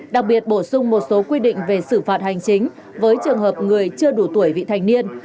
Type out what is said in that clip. đặc biệt bổ sung một số quy định về xử phạt hành chính với trường hợp người chưa đủ tuổi vị thành niên